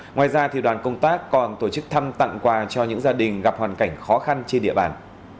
ngoài ra đoàn công tác còn tổ chức thăm tặng quà cho những gia đình gặp hoàn cảnh khó khăn trên địa bàn